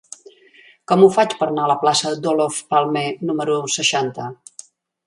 Com ho faig per anar a la plaça d'Olof Palme número seixanta?